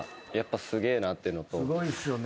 すごいんすよね。